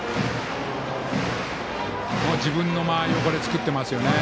自分の間合いを作ってますよね。